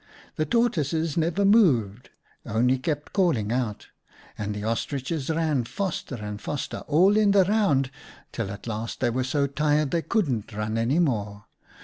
The Tortoises never moved, only kept calling out. And the Ostriches ran faster and faster, all in the round, till at last they were so tired they couldn't run any more.